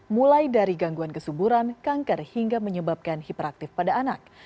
mulai dari gangguan kesuburan kanker hingga menyebabkan hiperaktif pada anak